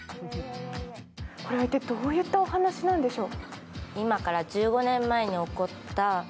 これは一体どういったお話なんでしょう？